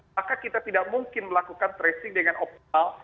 maka kita tidak mungkin melakukan tracing dengan optimal